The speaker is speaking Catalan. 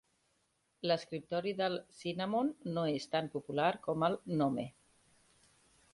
L'escriptori del Cinnamon no és tan popular com el GNOME.